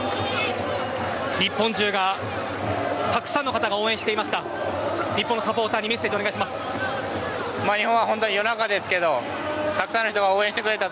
日本中がたくさんの方が応援していました。